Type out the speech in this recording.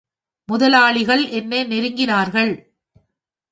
முதலாளிகள் என்னை நெருங்கினார்கள்.